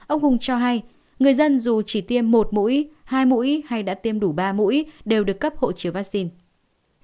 ông hùng cho hay người dân dù chỉ tiêm một mũi hai mũi hay đã tiêm đủ ba mũi đều được cấp hộ chiếu vaccine